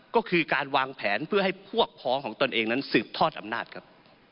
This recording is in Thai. ก็คือการวางแผนเพื่อให้พวกพ้องของตนเองนั้นสืบทอดอำนาจครับ